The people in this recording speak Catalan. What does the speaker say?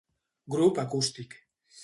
Grup acústic.